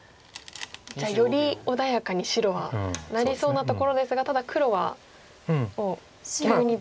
じゃあより穏やかに白はなりそうなところですがただ黒はもう急にどんどん。